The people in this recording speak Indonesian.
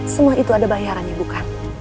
semua itu ada bayarannya bukan